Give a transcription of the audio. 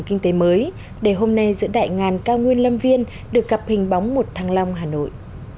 kinh tế mới để hôm nay giữa đại ngàn cao nguyên lâm viên được gặp hình bóng một thăng long hà nội